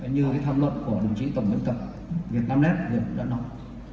như cái tham luận của đồng chí tổng giám cập việt nam nét việt nam đảng